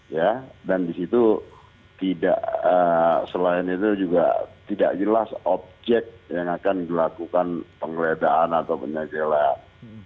ya dan di situ tidak selain itu juga tidak jelas objek yang akan dilakukan penggeledahan atau penyegelan